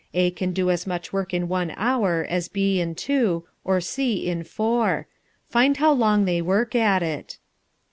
A can do as much work in one hour as B in two, or C in four. Find how long they work at it."